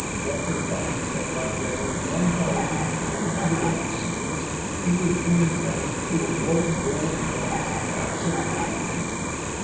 Walter finds that by gathering one thousand two hundred of these seals he would be entitled to a "rolled gold" watch absolutely free!